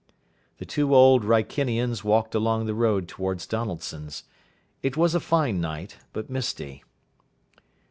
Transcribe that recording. The two Old Wrykinians walked along the road towards Donaldson's. It was a fine night, but misty.